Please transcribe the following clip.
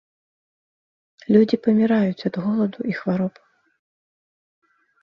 Людзі паміраюць ад голаду і хвароб.